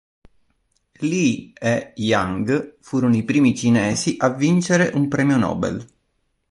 Lee e Yang furono i primi cinesi a vincere un premio Nobel.